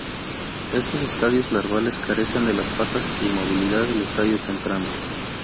Estos estadios larvales carecen de las patas y movilidad del estadio temprano.